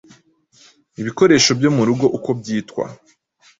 ibikoresho byo mu rugo uko byitwa,